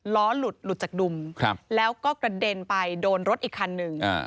ล้อหลุดหลุดจากดุมแล้วก็กระเด็นไปโดนรถอีกคันหนึ่ง